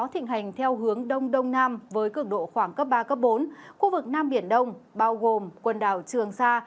hướng đông đông nam với cường độ khoảng cấp ba bốn khu vực nam biển đông bao gồm quần đảo trường sa